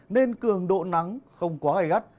nên cường độ nắng không quá gai gắt